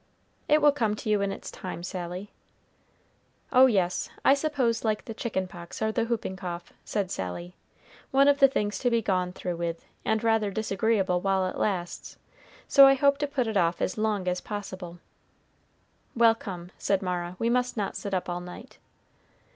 "It will come to you in its time, Sally." "Oh, yes, I suppose like the chicken pox or the whooping cough," said Sally; "one of the things to be gone through with, and rather disagreeable while it lasts, so I hope to put it off as long as possible." "Well, come," said Mara, "we must not sit up all night."